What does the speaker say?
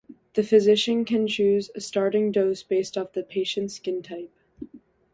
The physician can choose a starting dose based on the patient's skin type.